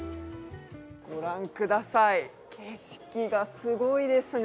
御覧ください、景色がすごいですね。